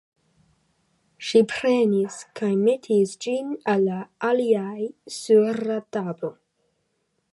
Ŝi prenis kaj metis ĝin al la aliaj sur la tablon.